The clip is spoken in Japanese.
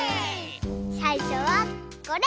さいしょはこれ！